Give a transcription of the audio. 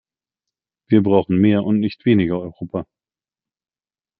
Wir brauchen mehr und nicht weniger Europa.